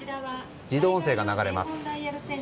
自動音声が流れます。